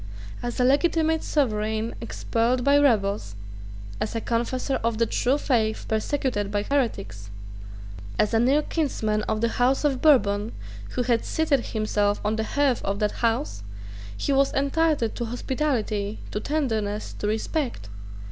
As a legitimate sovereign expelled by rebels, as a confessor of the true faith persecuted by heretics, as a near kinsman of the House of Bourbon, who had seated himself on the hearth of that House, he was entitled to hospitality, to tenderness, to respect.